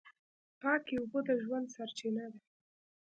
پاکې اوبه د ژوند سرچینه ده.